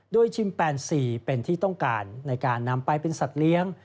โดยชิมแปนซีเป็นที่ต้องการในการนำไปเป็นสัตว์เลี้ยง